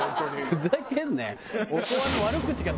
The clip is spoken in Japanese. ふざけんなよ。